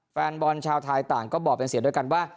แฟนบอลชาวไทยต่างก็บอกเป็นเสียงด้วยกันว่า